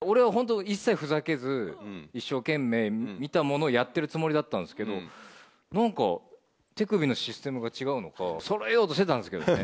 俺は本当、一切ふざけず、一生懸命見たものをやってるつもりだったんですけど、なんか、手首のシステムが違うのか、そろえようとしてたんですけどね。